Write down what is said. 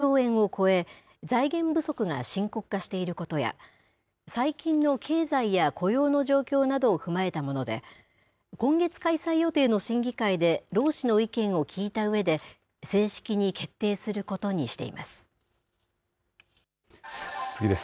感染拡大後の支給決定額が６兆円を超え、財源不足が深刻化していることや、最近の経済や雇用の状況などを踏まえたもので、今月開催予定の審議会で労使の意見を聞いたうえで、正式に決定することにしています。